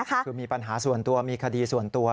คือมีปัญหาส่วนตัวมีคดีส่วนตัว